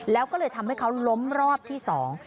แล้วก็เลยทำให้เขาล้มรอบที่สอง